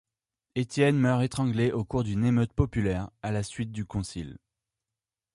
Étienne meurt étranglé au cours d'une émeute populaire, à la suite du concile.